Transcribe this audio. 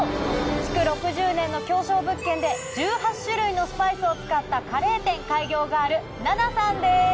築６０年の狭小物件で１８種類のスパイスを使ったカレー店開業ガール。